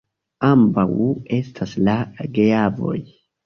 Ambaŭ estas la geavoj.